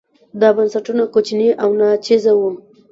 دا بنسټونه کوچني او ناچیزه وو.